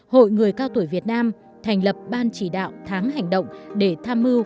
hội người cao tuổi việt nam thành lập ban chỉ đạo tháng hành động để tham mưu